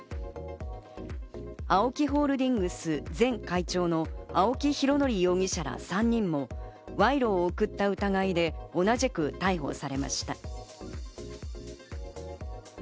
ＡＯＫＩホールディングス前会長の青木拡憲容疑者ら３人も賄賂を贈った疑いで同じく逮捕されました。